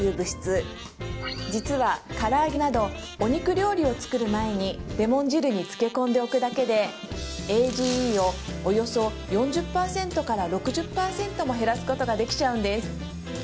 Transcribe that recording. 質実はから揚げなどお肉料理を作る前にレモン汁につけ込んでおくだけでＡＧＥをおよそ４０６０％も減らすことができちゃうんです